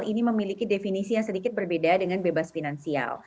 ini memiliki definisi yang sedikit berbeda dengan bebas finansial